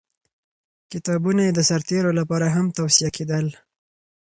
کتابونه یې د سرتېرو لپاره هم توصیه کېدل.